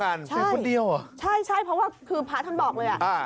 ใช่ใช่เพราะว่าคือพระท่านบอกเลยอ่ะ